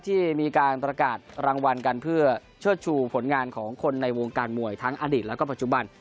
ที่มีการประกาศรางวัลกันเพื่อเชิดชูผลงานของคนในวงการมวยทั้งอดีตแล้วก็ปัจจุบัน